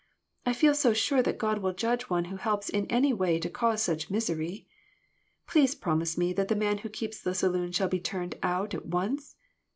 I feel so sure that God will judge one who helps in any way to cause such misery. Please promise me that the man who keeps the saloon shall be turned out at once.